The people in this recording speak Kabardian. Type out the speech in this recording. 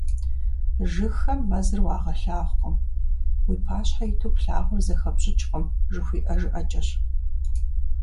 "Жыгхэм мэзыр уагъэлъагъукъым" — уи пащхьэ иту плъагъур зэхэпщӀыкӀкъым жыхуиӀэ жыӀэкӀэщ.